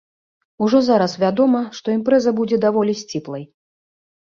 Ужо зараз вядома, што імпрэза будзе даволі сціплай.